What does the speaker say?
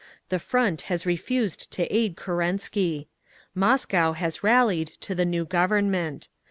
The Front has refused to aid Kerensky. Moscow has rallied to the new Government.